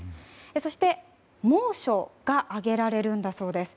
そして、猛暑が挙げられるんだそうです。